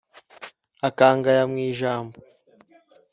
akangaya mu ijambo